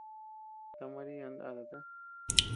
Ta Marian ndatata.